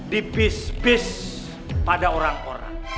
di bis bis pada orang orang